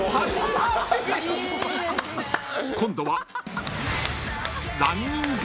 ［今度は］